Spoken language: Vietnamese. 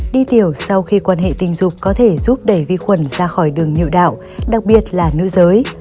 đi tiểu sau khi quan hệ tình dục có thể giúp đẩy vi khuẩn ra khỏi đường nhựa đạo đặc biệt là nữ giới